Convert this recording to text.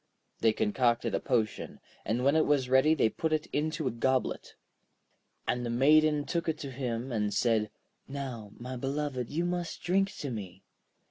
They concocted a potion, and when it was ready they put it into a goblet. And the Maiden took it to him, and said: 'Now, my beloved, you must drink to me.'